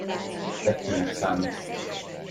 Kettőnek számít.